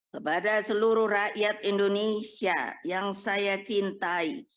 kepada seluruh rakyat indonesia yang saya cintai